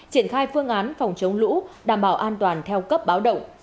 triển khai phương án phòng chống lũ đảm bảo an toàn theo cấp báo động